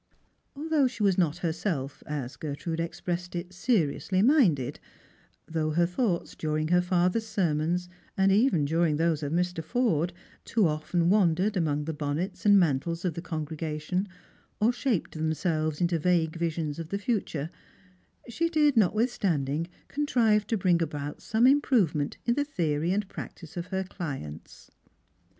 Although she was not her self, as Gertrude expressed it, " seriously mmded," though her thoughts during her father's sermons, and even during those of Mr. Forde, too often wandered among the bonnets and mantles of the congregation, or shaped themselves into vague vision* of the future, she did notwithstanding contrive to bring about some improvement in the theory and practice of her clients.